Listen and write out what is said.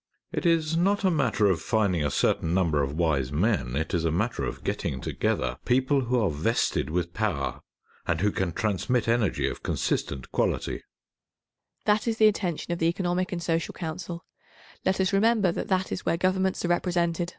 It is not a matter of finding a certain number of wise men. It is a matter of getting together people who are vested with power, and who can transmit energy of consistent quality.